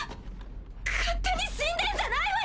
勝手に死んでんじゃないわよ！